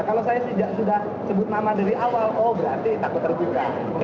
kalau saya sih sudah sebut nama dari awal oh berarti takut terbuka